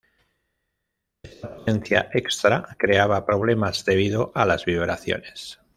Esta potencia extra creaba problemas debido a las vibraciones.